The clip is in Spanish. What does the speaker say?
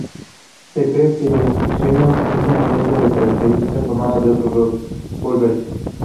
Se cree que su diseño es una mezcla de características tomadas de otros revólveres.